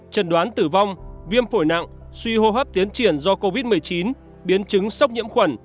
trần đoán tử vong viêm phổi nặng suy hô hấp tiến triển do covid một mươi chín biến chứng sốc nhiễm khuẩn